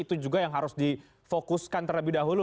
itu juga yang harus difokuskan terlebih dahulu